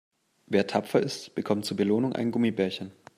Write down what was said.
Wer tapfer ist, bekommt zur Belohnung ein Gummibärchen.